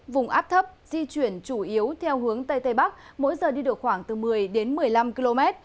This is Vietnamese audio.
vùng áp thấp di chuyển chủ yếu theo hướng tây tây bắc mỗi giờ đi được khoảng từ một mươi đến một mươi năm km